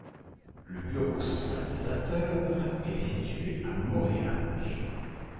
Le bureau centralisateur est situé à Moréac.